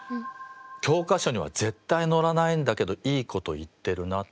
教科書には絶対載らないんだけどいいこと言ってるなって。